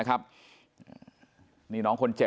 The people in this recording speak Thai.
พอดีเลย